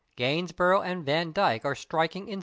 Gainsborough and Vandyke are striking, instances.